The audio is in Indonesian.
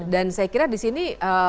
dan saya kira di sini